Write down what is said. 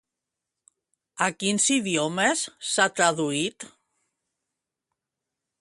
A quins idiomes s'ha traduït?